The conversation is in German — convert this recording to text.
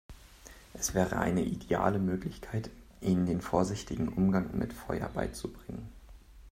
Es wäre eine ideale Möglichkeit, ihnen den vorsichtigen Umgang mit Feuer beizubringen.